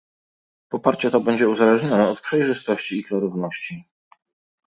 Poparcie to będzie uzależnione od przejrzystości i klarowności